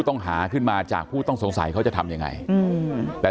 ต้องหาขึ้นมาจากผู้ต้องสงสัยเขาจะทำยังไงอืมแต่